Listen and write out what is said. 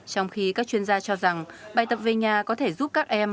trong khi các chuyên gia cho rằng bài tập về nhà có thể giúp các em